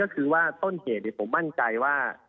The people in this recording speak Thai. ก็คือว่าต้นเหตุผมมั่นใจว่า